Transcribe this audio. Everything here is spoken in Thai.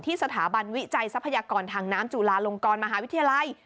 สถาบันวิจัยทรัพยากรทางน้ำจุลาลงกรมหาวิทยาลัย